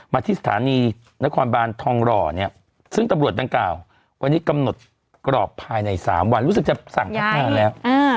มาที่สถานีนครบานทองหล่อเนี่ยซึ่งตำรวจดังกล่าววันนี้กำหนดกรอบภายใน๓วันรู้สึกจะสั่งพักงานแล้ว